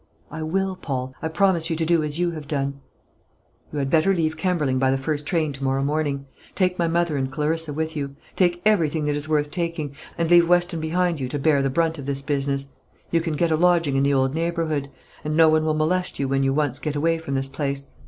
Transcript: "I will, Paul; I promise you to do as you have done." "You had better leave Kemberling by the first train to morrow morning; take my mother and Clarissa with you; take everything that is worth taking, and leave Weston behind you to bear the brunt of this business. You can get a lodging in the old neighbourhood, and no one will molest you when you once get away from this place.